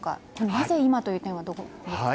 なぜ今という点はどうですか。